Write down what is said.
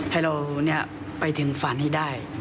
ให้เราไปถึงฝันให้ได้